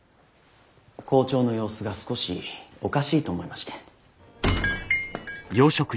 校長の様子が少しおかしいと思いまして。